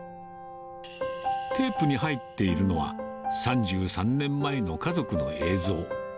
テープに入っているのは、３３年前の家族の映像。